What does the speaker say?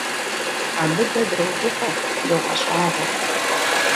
Абы дэ дрогуфӀэ, догъэщӀагъуэ.